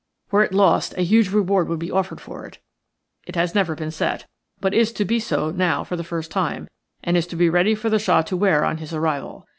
Were it lost a huge reward would be offered for it. It has never been set, but is to be so now for the first time, and is to be ready for the Shah to wear on his arrival.